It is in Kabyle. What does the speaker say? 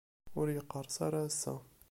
Ur yeqqerṣ ara ass-a.